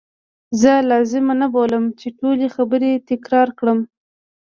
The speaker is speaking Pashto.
زه لازمه نه بولم چې ټولي خبرې تکرار کړم.